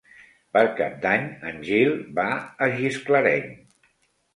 Per Cap d'Any en Gil va a Gisclareny.